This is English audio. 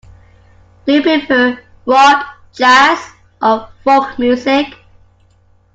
Do you prefer rock, jazz, or folk music?